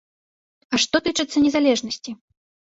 А што тычыцца незалежнасці?